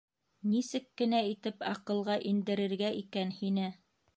Нисек кенә итеп аҡылға индерергә икән һине?!